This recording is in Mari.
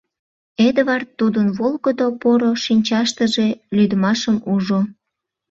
Эдвард тудын волгыдо, поро шинчаштыже лӱдмашым ужо.